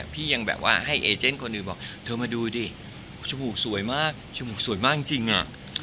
พี่ยังแบบว่าให้เอเจนคนอื่นบอกเธอมาดูดิจมูกสวยมากจมูกสวยมากจริงอ่ะ